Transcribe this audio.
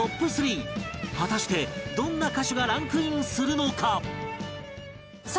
果たしてどんな歌手がランクインするのか？